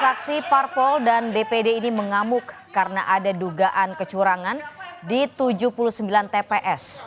saksi parpol dan dpd ini mengamuk karena ada dugaan kecurangan di tujuh puluh sembilan tps